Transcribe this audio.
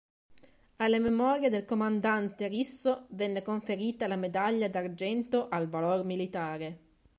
Alla memoria del comandante Risso venne conferita la Medaglia d'argento al valor militare.